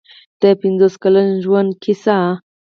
د پنځوس کلن ژوند کیسه.